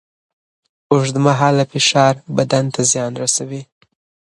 اوږدمهاله فشار بدن ته زیان رسوي.